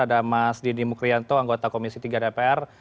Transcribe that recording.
ada mas didi mukrianto anggota komisi tiga dpr